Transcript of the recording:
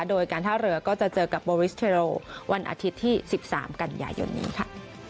โดยการท่าเรือก็จะเจอกับโบริสเทโรวันอาทิตย์ที่๑๓กันยายนนี้ค่ะ